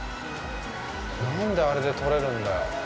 何であれで取れるんだよ。